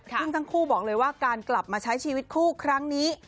ซึ่งทั้งคู่บอกเลยว่าการกลับมาใช้ชีวิตคู่ครั้งนี้